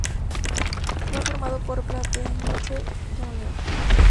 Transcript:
Fue formado por Platense Junior.